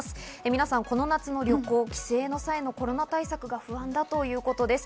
皆さん、この夏の旅行・帰省の際のコロナ対策が不安だということです。